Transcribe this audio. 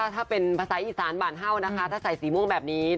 ถ้าเป็นภาษาอีสานบ่านเห่านะคะถ้าใส่สีม่วงแบบนี้